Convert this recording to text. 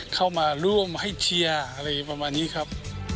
เข้ามาร่วมให้เชียร์อะไรประมาณนี้ครับ